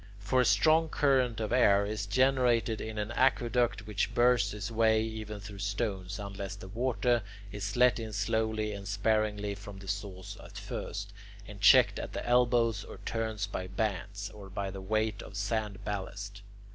For a strong current of air is generated in an aqueduct which bursts its way even through stones unless the water is let in slowly and sparingly from the source at first, and checked at the elbows or turns by bands, or by the weight of sand ballast.